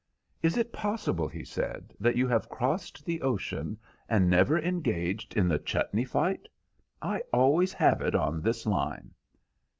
"Is it possible," he said, "that you have crossed the ocean and never engaged in the chutney fight? I always have it on this line."